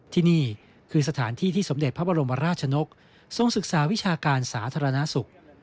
ที่นี่คือสถานที่ที่สมเด็จพระบรมราชนกทรงศึกษาวิชาการสาธารณสุข